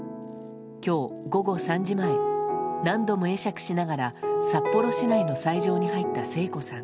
今日午後３時前何度も会釈しながら札幌市内の斎場に入った聖子さん。